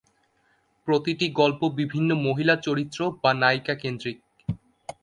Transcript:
প্রতিটি গল্প বিভিন্ন মহিলা চরিত্র বা "নায়িকা" কেন্দ্রিক।